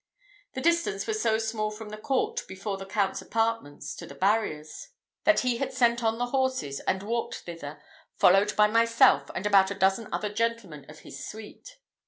The distance was so small from the court before the Count's apartments to the barriers, that he had sent on the horses, and walked thither, followed by myself and about a dozen other gentlemen of his suite.